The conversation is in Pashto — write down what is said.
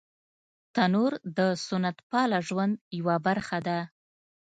تنور د سنت پاله ژوند یوه برخه ده